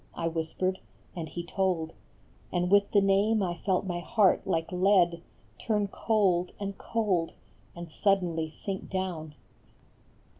I whispered, and he told; And with the name I felt my heart like lead Turn cold and cold and suddenly sink down.